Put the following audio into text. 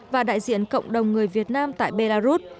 và đại diện cộng đồng người việt nam tại belarus